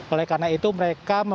oleh karena itu mereka